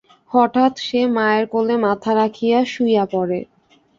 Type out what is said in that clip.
হঠাৎ সে মায়ের কোলে মাথা রাখিয়া শূইয়া পড়ে।